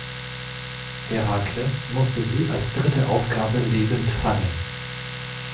Herakles musste sie als dritte Aufgabe lebend fangen.